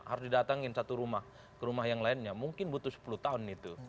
harus didatangin satu rumah ke rumah yang lainnya mungkin butuh sepuluh tahun itu